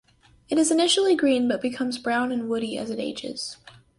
It is initially green but becomes brown and woody as it ages.